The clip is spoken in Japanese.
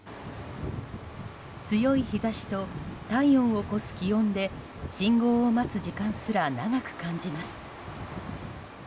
強い日差しと体温を超す気温で信号を待つ時間すら長く感じます。